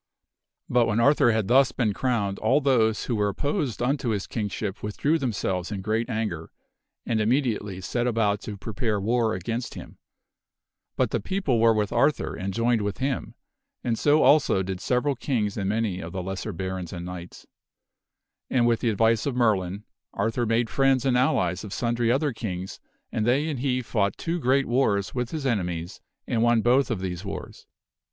But when Arthur had thus been crowned, all those who were opposed unto his Kingship withdrew themselves in great anger, and immediately set about to prepare war against him. But the people were with Arthur and joined with him, and so also did several Kings and many Arthur over' ,. J . it., i ,i i i r cometh his of the lesser barons and knights. And, with the advice ot enemies. Merlin, Arthur made friends and allies of sundry other kings, and they and he fought two great wars with his enemies and won both of these wars.